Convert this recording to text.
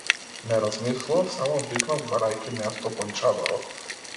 Не размислував, само викнав барајќи место под чадорот.